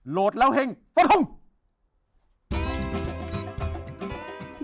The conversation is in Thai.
โหลดแล้วเฮ่งสวัสดีครับ